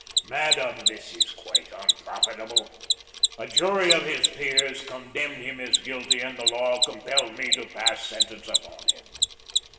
"Madam, this is quite unprofitable. A jury of his peers condemned him as guilty and the law compelled me to pass sentence upon him.